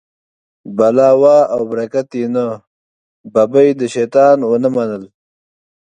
بلا وه او برکت یې نه، ببۍ د شیطان و نه منل.